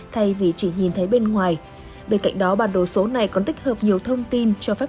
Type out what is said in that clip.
thay vì chỉ nhìn thấy bên ngoài bên cạnh đó bản đồ số này còn tích hợp nhiều thông tin cho phép